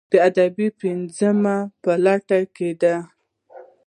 د ادبي پنځونو په لټه کې دي.